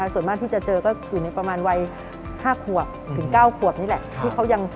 ส่วนมากที่จะเจอก็คือในประมาณวัย๕๙ขวบนี่แหละ